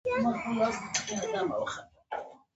هغه د درې اتیا کلونو په عمر له دې نړۍ څخه سترګې پټې کړې.